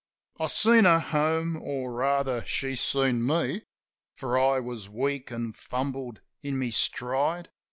I seen her home; or, rather, she seen me, For I was weak, an' fumbled in my stride.